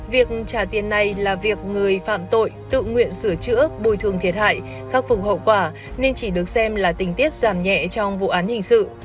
việc trả tiền này là việc người phạm tội tự nguyện sửa chữa bồi thường thiệt hại khắc phục hậu quả nên chỉ được xem là tình tiết giảm nhẹ trong vụ án hình sự